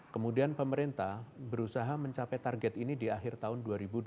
kemudian pemerintah berusaha mencapai target ini di akhir tahun dua ribu dua puluh